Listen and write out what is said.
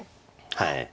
はい。